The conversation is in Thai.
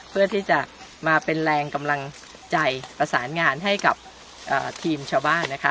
เพื่อที่จะมาเป็นแรงกำลังใจประสานงานให้กับทีมชาวบ้านนะคะ